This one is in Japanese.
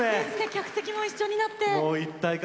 客席も一緒になって。